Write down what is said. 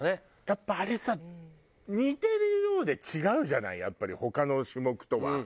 やっぱあれさ似てるようで違うじゃないやっぱり他の種目とは。